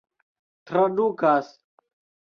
tradukas